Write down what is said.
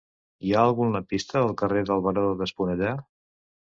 Hi ha algun lampista al carrer del Baró d'Esponellà?